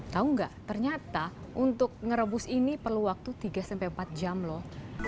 tahu nggak ternyata untuk merebus ini perlu waktu tiga empat jam loh